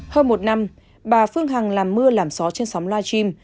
hơn một năm bà phương hằng làm mưa làm gió trên sóng live stream